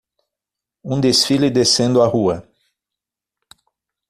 Um desfile descendo a rua.